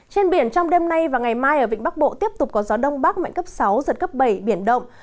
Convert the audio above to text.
trên biển trong đêm nay và ngày mai ở vịnh bắc bộ tiếp tục có gió đông bắc mạnh cấp sáu giật cấp bảy biển động